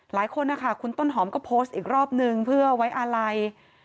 หลายคนนะคะคุณต้นหอมก็โพสต์อีกรอบนึงเพื่อไว้อาลัย